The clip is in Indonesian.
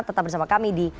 tetap bersama kami di